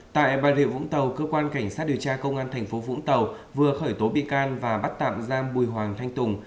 tại bà rịa vũng tàu cơ quan cảnh sát điều tra công an thành phố vũng tàu vừa khởi tố bị can và bắt tạm giam bùi hoàng thanh tùng